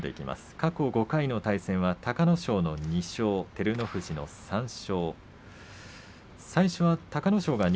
過去５回隆の勝の２勝、照ノ富士の３勝。